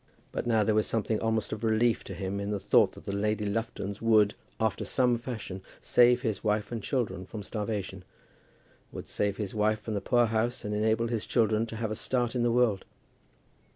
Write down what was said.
But now there was something almost of relief to him in the thought that the Lady Luftons would, after some fashion, save his wife and children from starvation; would save his wife from the poorhouse, and enable his children to have a start in the world.